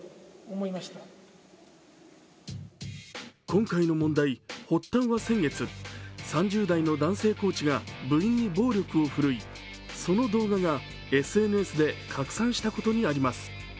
今回の問題、発端は先月３０代の男性コーチが部員に暴力を振るいその動画がＳＮＳで拡散したことにあります。